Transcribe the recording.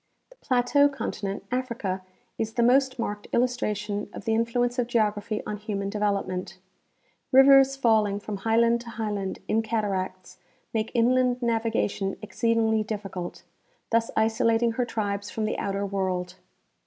The plateau continent, Africa, is the most marked illustration of the influence of geography on human development. Rivers falling from highland to highland in cataracts make inland navigation exceedingly difficult, thus isolating her tribes from the outer world.